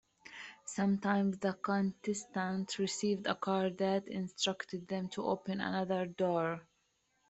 Sometimes the contestant received a card that instructed them to open another door.